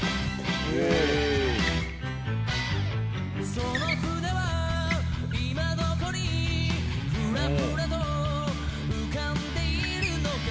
「その船は今どこにふらふらと浮かんでいるのか」